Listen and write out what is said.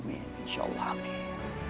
insya allah amin